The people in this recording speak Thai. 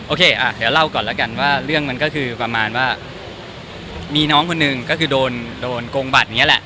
เดี๋ยวเล่าก่อนแล้วกันว่าเรื่องมันก็คือประมาณว่ามีน้องคนหนึ่งก็คือโดนโกงบัตรอย่างนี้แหละ